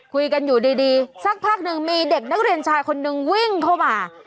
คุยกันอยู่ดีสักพักหนึ่งมีเด็กนักเรียนชายคนนึงวิ่งเข้ามา